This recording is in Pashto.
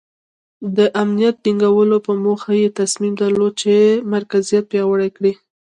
د امنیت د ټینګولو په موخه یې تصمیم درلود چې مرکزیت پیاوړی کړي.